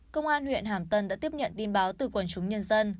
công an huyện hàm tân đã tiếp nhận tin báo từ quần chúng nhân dân